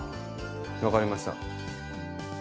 分かりました。